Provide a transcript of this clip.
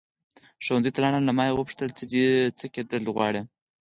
ښوونځي ته لاړم له ما یې وپوښتل څه کېدل غواړې.